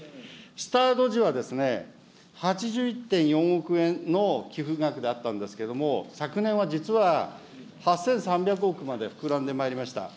スタート時は８１．４億円の寄付額であったんですけれども、昨年は実は８３００億まで膨らんでまいりました。